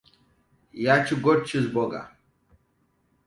Yaci goat cheese burger.